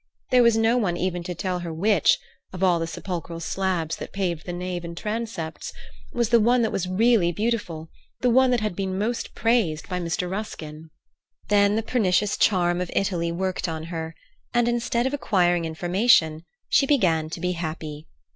There was no one even to tell her which, of all the sepulchral slabs that paved the nave and transepts, was the one that was really beautiful, the one that had been most praised by Mr. Ruskin. Then the pernicious charm of Italy worked on her, and, instead of acquiring information, she began to be happy.